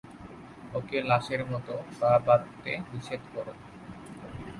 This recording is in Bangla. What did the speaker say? ওকে লাশের মতো পা বাঁধতে নিষেধ করো।